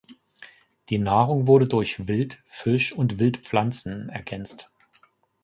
Die Nahrung wurde durch Wild, Fisch und Wildpflanzen ergänzt.